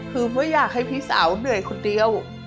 คือไม่อยากให้พี่สาวเหนื่อยคนเดียว